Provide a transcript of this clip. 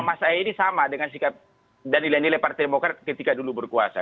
mas ahaye ini sama dengan sikap dan nilai nilai partai demokrat ketika dulu berkuasa